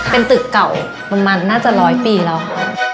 เป็นตึกเก่าประมาณน่าจะร้อยปีแล้วค่ะ